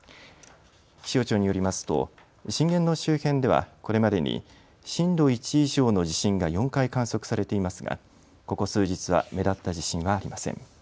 気象庁によりますと震源の周辺ではこれまでに震度１以上の地震が４回観測されていますが、ここ数日は目立った地震はありません。